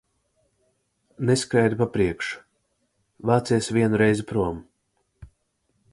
Neskraidi pa priekšu! Vācies vienu reizi prom!